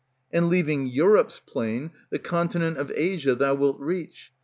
And leaving Europe's plain The continent of Asia thou wilt reach.